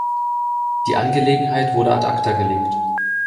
Die Angelegenheit wurde ad acta gelegt.